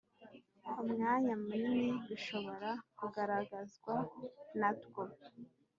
umwanya munini bishobora kugaragazwa natwo